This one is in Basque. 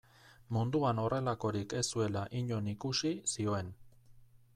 Munduan horrelakorik ez zuela inon ikusi zioen.